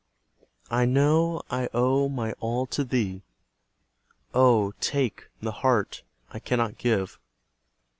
I know I owe my all to Thee; Oh, TAKE the heart I cannot give!